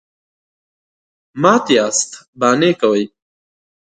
_مات ياست، بانې کوئ.